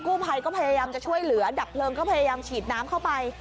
กู้ภัยก็พยายามจะช่วยเหลือดับเพลิงก็พยายามฉีดน้ำเข้าไป